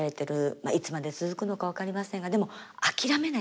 まあいつまで続くのか分かりませんがでも諦めない